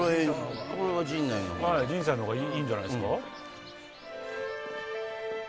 陣さんのほうがいいんじゃないっすか？